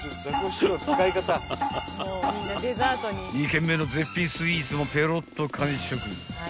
［２軒目の絶品スイーツもペロッと完食］